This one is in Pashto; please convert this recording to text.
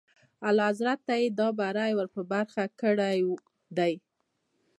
اعلیحضرت ته یې دا بری ور په برخه کړی دی.